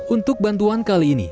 untuk bantuan kali ini